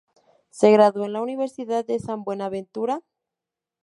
Se graduó en la Universidad de San Buenaventura.